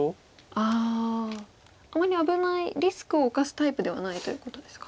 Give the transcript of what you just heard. ああまり危ないリスクを冒すタイプではないということですか。